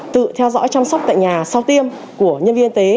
tự theo dõi chăm sóc tại nhà sau tiêm của nhân viên y tế